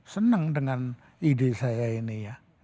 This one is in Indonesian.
senang dengan ide saya ini ya